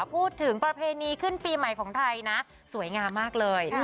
ประเพณีขึ้นปีใหม่ของไทยนะสวยงามมากเลย